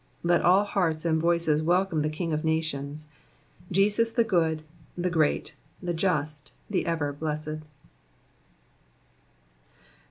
Let all hearts and voices welcome the King of nations ; Jesus the Good, the Great, the Just, the Ever blessed.